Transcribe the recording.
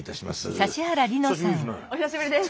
お久しぶりです！